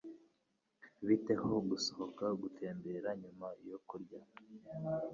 Bite ho gusohoka gutembera nyuma yo kurya?